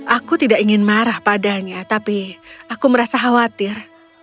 aku tidak ingin marah padanya tapi aku merasa khawatir